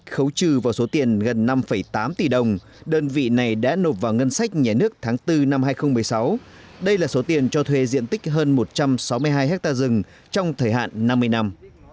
khấu trừ vào số tiền gần năm tám tỷ đồng đơn vị này đã nộp vào ngân sách nhé nước tháng bốn năm hai nghìn một mươi sáu đây là số tiền cho thuê diện tích hơn một trăm sáu mươi hai hectare rừng trong thời hạn năm mươi năm